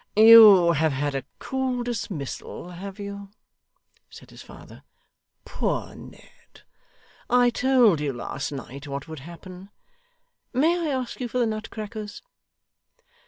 'You have had a cool dismissal, have you?' said his father. 'Poor Ned! I told you last night what would happen. May I ask you for the nutcrackers?